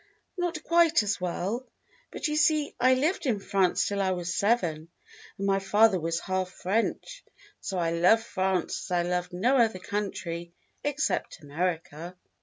"Not quite as well. But you see I lived in France till I was seven, and my father was half French, so I love France as I love no other country except America."